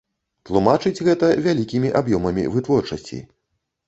Тлумачыць гэта вялікімі аб'ёмамі вытворчасці.